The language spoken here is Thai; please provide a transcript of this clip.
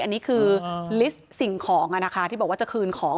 อันนี้คือลิสต์สิ่งของที่บอกว่าจะคืนของ